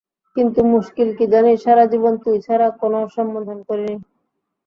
কিন্তু মুশকিল কি জানিস, সারা জীবন তুই ছাড়া কোনো সম্বোধন করিনি।